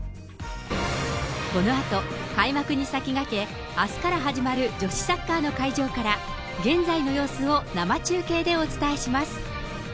このあと、開幕に先駆け、あすから始まる女子サッカーの会場から現在の様子を生中継でお伝えします。